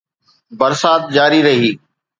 برسات جاري رهي